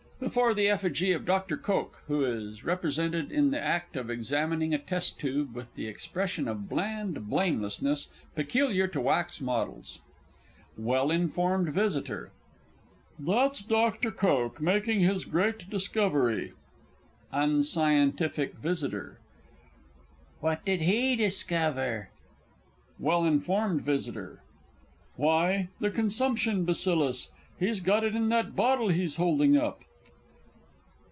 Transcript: _Before the effigy of Dr. Koch, who is represented in the act of examining a test tube with the expression of bland blamelessness peculiar to Wax Models._ WELL INFORMED VISITOR. That's Dr. Koch, making his great discovery! UNSCIENTIFIC V. What did he discover? WELL INF. V. Why, the Consumption Bacillus. He's got it in that bottle he's holding up.